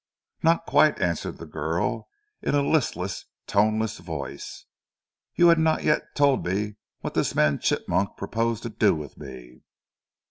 "Not quite," answered the girl in a listless, toneless voice. "You have not yet told me what this man Chigmok proposed to do with me."